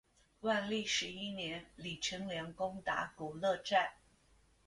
万历十一年李成梁攻打古勒寨。